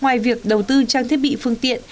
ngoài việc đầu tư trang thiết bị phương tiện